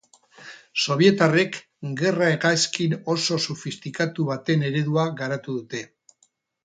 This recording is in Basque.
Sobietarrek gerra hegazkin oso sofistikatu baten eredua garatu dute.